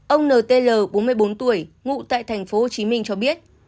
ông ntl bốn mươi bốn tuổi ngụ tại tp hcm